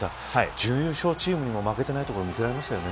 準優勝チームにも負けてないところ見せられましたよね。